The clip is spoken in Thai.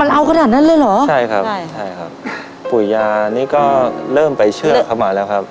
มันเอาขนาดนั้นเลยเหรอใช่ครับใช่ใช่ครับปู่ยานี่ก็เริ่มไปเชื่อเขามาแล้วครับ